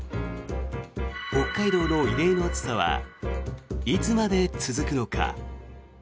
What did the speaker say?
北海道の異例の暑さはいつまで続くのか。